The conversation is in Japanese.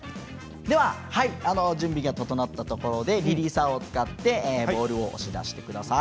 準備が整ったところでリリーサーを使ってボールを押し出してください。